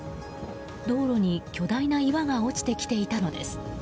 道路に巨大な岩が落ちてきていたのです。